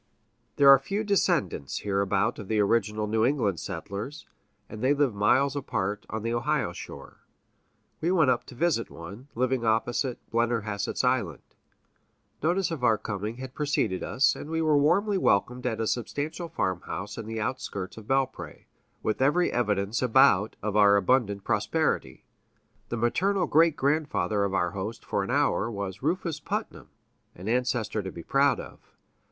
There are few descendants hereabout of the original New England settlers, and they live miles apart on the Ohio shore. We went up to visit one, living opposite Blennerhassett's Island. Notice of our coming had preceded us, and we were warmly welcomed at a substantial farmhouse in the outskirts of Belpré, with every evidence about of abundant prosperity. The maternal great grandfather of our host for an hour was Rufus Putnam, an ancestor to be proud of.